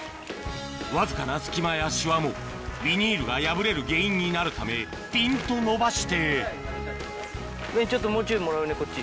わずかな隙間やシワもビニールが破れる原因になるためピンと伸ばしてこっち。